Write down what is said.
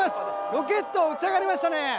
ロケット、打ち上がりましたね。